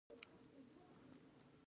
د کور د اوبو پمپ کار نه کاوه.